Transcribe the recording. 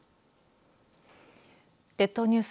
列島ニュース